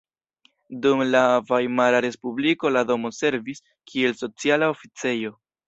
Dum la Vajmara respubliko la domo servis kiel sociala oficejo.